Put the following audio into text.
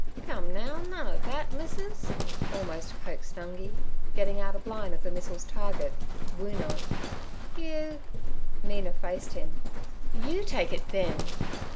'Come, now, none er that, missus' almost coaxed Nungi, getting out of line of the missile's target—Woona. 'You—' Mina faced him. 'You take it, then!'